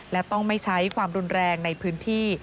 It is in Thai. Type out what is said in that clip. และต้องไม่ใช้ความรุนแรงในพื้นที่